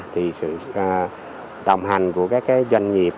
thì sự đồng hành của các doanh nghiệp